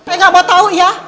saya nggak mau tahu ya